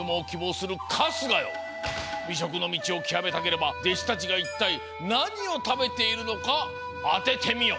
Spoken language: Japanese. びしょくのみちをきわめたければでしたちがいったいなにをたべているのかあててみよ！